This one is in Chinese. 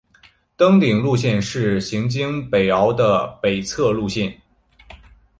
登顶路线是行经北坳的北侧路线。